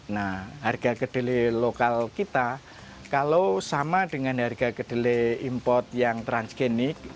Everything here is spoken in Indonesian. nah harga kedelai lokal kita kalau sama dengan harga kedelai impor yang transgenik